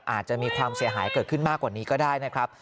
อาจจะมีความเสียหายเกิดขึ้นมากกว่านี้ก็ได้นะครับ